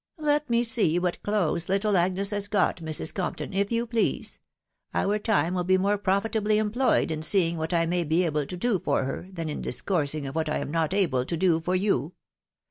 " Let me see what clothes little Agnes has got, Mrs. Comp ton, if you please* Our time will be more profitably employed1 in seeing what I may be able to do for her, than in discoursing of what I am* not able to do for you.